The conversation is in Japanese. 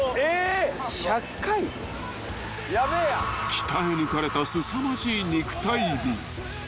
［鍛え抜かれたすさまじい肉体美］